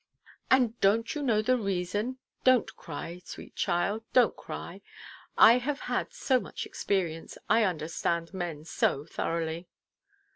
"And donʼt you know the reason? Donʼt cry, sweet child; donʼt cry. I have had so much experience. I understand men so thoroughly."